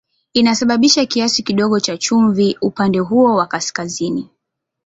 Inasababisha kiasi kidogo cha chumvi upande huo wa kaskazini.